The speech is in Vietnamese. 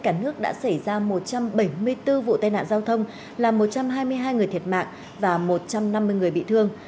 cả nước đã xảy ra một trăm bảy mươi bốn vụ tai nạn giao thông làm một trăm hai mươi hai người thiệt mạng và một trăm năm mươi người bị thương